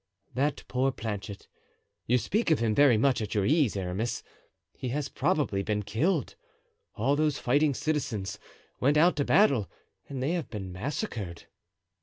"That poor Planchet! You speak of him very much at your ease, Aramis; he has probably been killed. All those fighting citizens went out to battle and they have been massacred."